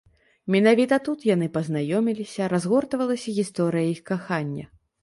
Менавіта тут яны пазнаёміліся, разгортвалася гісторыя іх кахання.